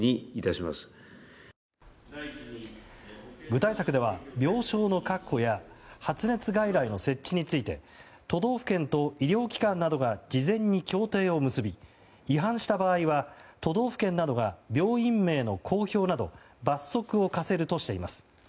具体策では、病床の確保や発熱外来の設置について都道府県と医療機関などが事前に協定を結び違反した場合は都道府県などが病院名の公表など罰則を科せるとしています。